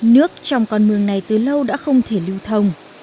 nước trong con mương này từ lâu đã không thể lưu thông